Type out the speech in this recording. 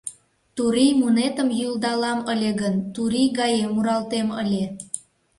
Турий мунетым йӱлдалам ыле гын, турий гае муралтем ыле.